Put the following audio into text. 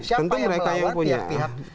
siapa yang melawan pihak pihak